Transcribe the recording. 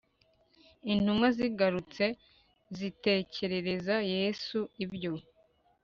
intumwa zigarutse zitekerereza yesu ibyo